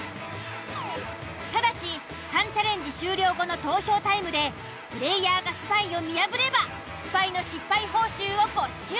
ただし３チャレンジ終了後の投票タイムでプレイヤーがスパイを見破ればスパイの失敗報酬を没収。